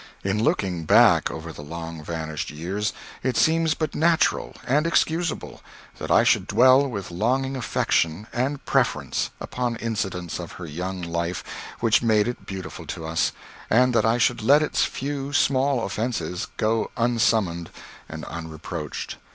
In looking back over the long vanished years, it seems but natural and excusable that I should dwell with longing affection and preference upon incidents of her young life which made it beautiful to us, and that I should let its few small offences go unsummoned and unreproached.